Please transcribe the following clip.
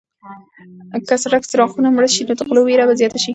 که د سړک څراغونه مړه شي نو د غلو وېره به زیاته شي.